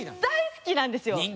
大好きなんですよ。